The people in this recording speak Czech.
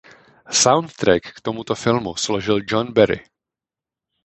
Soundtrack k tomuto filmu složil John Barry.